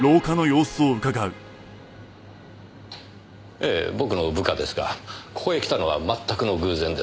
ええ僕の部下ですがここへ来たのは全くの偶然です。